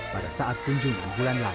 pada saat kunjungan bulan lalu